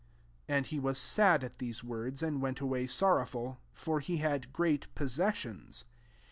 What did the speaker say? '' 22 4nd he was sad at these words, ind w^it away sorroW^l : for le bad gpreat possessions.